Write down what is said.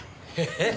えっ？